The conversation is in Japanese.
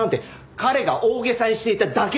彼が大げさにしていただけなんです。